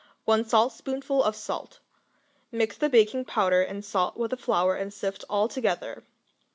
1 saltspoonful of salt. Mix the baking powder and salt with the flour and sift all together.